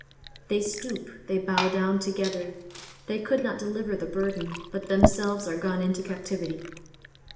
23:046:002 They stoop, they bow down together; they could not deliver the burden, but themselves are gone into captivity.